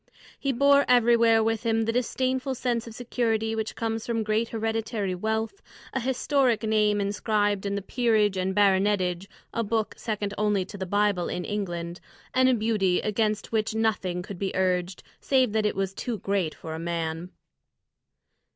He bore everywhere with him the disdainful sense of security which comes from great hereditary wealth, a historic name inscribed in the "Peerage and Baronetage" a book second only to the Bible in England and a beauty against which nothing could be urged, save that it was too great for a man.